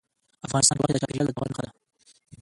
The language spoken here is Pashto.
افغانستان کې غوښې د چاپېریال د تغیر نښه ده.